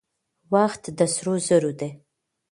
وخت د سرو زرو دی.